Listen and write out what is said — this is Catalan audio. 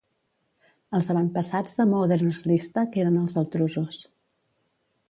Els avantpassats de Modern Sleestak eren els Altrusos.